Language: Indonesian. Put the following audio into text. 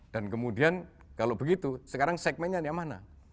dan kemudian kalau begitu sekarang segmennya yang mana